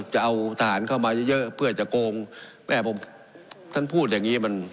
จะเอาทหารเข้ามาเยอะเยอะเพื่อจะโกงแม่ผมท่านพูดอย่างนี้มัน